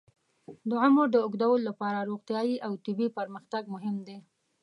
د عمر د اوږدولو لپاره روغتیايي او طبي پرمختګ مهم دی.